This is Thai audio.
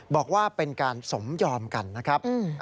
บอกว่าเป็นการสมยอมกันนะครับ